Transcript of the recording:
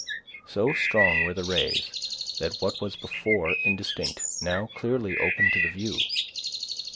So strong were the rays, that what was before indistinct now clearly opened to the view.